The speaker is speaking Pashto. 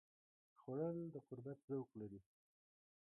خوړل د قربت ذوق لري